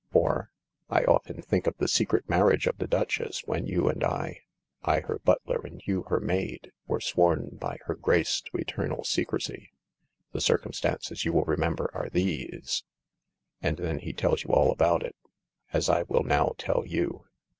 or " I often think of the secret marriage of the Duchess, when you and I — I her butler and you her maid — were sworn by Her Grace to eternal secrecy. The circum stances, you will reniember, are these .. And then he tells you all about it. As I will now tell you.